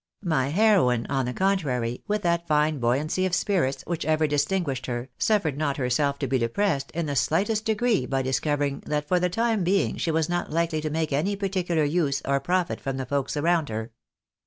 My heroine, on the contrary, with that fine buoyancy of spirits which ever distinguished her, suffered not herself to be depressed in the slightest degree by discovering that for the time being she was not hkely to make any particular use or profit from the folks around her.